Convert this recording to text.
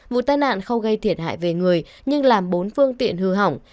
vụ tai nạn không gây thiệt hại về người nhưng làm bốn phương tiện hư hỏng